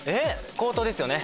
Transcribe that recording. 口答ですよね？